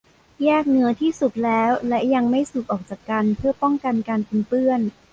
แยกเนื้อที่สุกแล้วและยังไม่สุกออกจากกันเพื่อป้องกันการปนเปื้อน